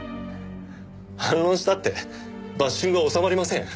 反論したってバッシングは収まりません。